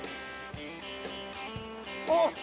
あっ！